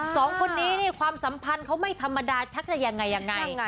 สองคนนี้ความสัมพันธ์เขาไม่ธรรมดาทักจะยังไง